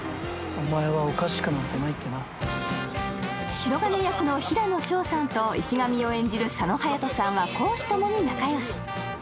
白銀役の平野紫耀さんと、石上を演じる佐野勇斗さんは公私ともに仲良し。